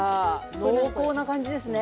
濃厚な感じですね